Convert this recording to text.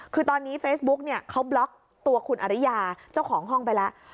คือตอนนี้เฟซบุ๊กเนี่ยเขาบล็อกตัวคุณอริยาเจ้าของห้องไปแล้ว